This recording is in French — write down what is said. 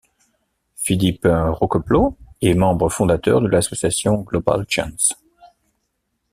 Philippe Roqueplo est membre fondateur de l'association Global Chance.